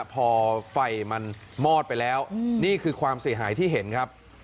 พอไฟมันมอดไปแล้วนี่คือความเสียหายที่เห็นครับ